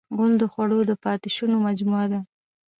غول د خوړو د پاتې شونو مجموعه ده.